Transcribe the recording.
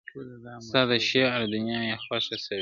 ستا د شعر دنيا يې خوښـه سـوېده.